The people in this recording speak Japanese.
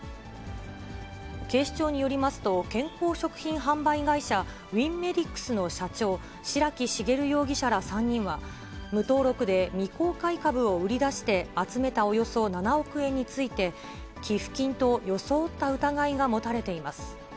警視庁によりますと、健康食品販売会社、ウィンメディックスの社長、白木茂容疑者ら３人は、無登録で未公開株を売り出して、集めたおよそ７億円について、寄付金と装った疑いが持たれています。